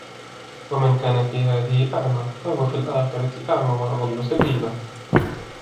وَمَنْ كَانَ فِي هَذِهِ أَعْمَى فَهُوَ فِي الْآخِرَةِ أَعْمَى وَأَضَلُّ سَبِيلًا